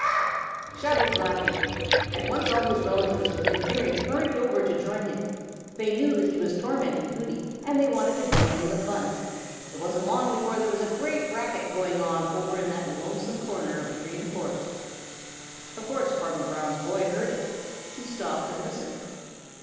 "Caw, caw, caw, caw, caw!" shouted Blacky. At once all his relatives within hearing hurried over to join him. They knew that he was tormenting Hooty, and they wanted to join in the fun. It wasn't long before there was a great racket going on over in that lonesome corner of the Green Forest. Of course Farmer Brown's boy heard it. He stopped and listened.